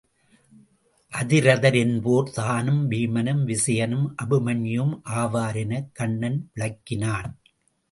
அதிரதர் என்போர் தானும், வீமனும், விசயனும், அபிமன்யும் ஆவார் எனக் கண்ணன் விளக்கினான்.